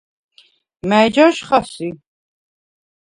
მა̈ჲ ჯაჟხა სი?